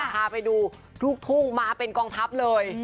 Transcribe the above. พาไปดูลูกทุ่งมาเป็นกองทัพเลย